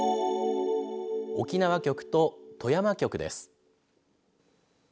沖縄局と富山局です。